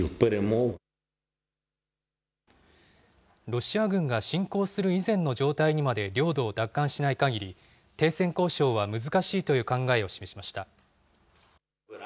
ロシア軍が侵攻する以前の状態にまで領土を奪還しないかぎり、停戦交渉は難しいという考えを示しました。